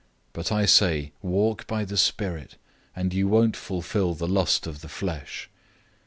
005:016 But I say, walk by the Spirit, and you won't fulfill the lust of the flesh.